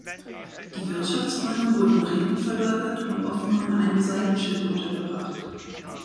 Die Wirtschaftsräume wurden nach hinten verlagert und oft nur in einem Seitenschiff untergebracht.